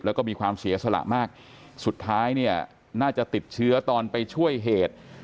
แล้วก็มีความเสียสละมากสุดท้ายเนี่ยน่าจะติดเชื้อตอนไปช่วยเหตุ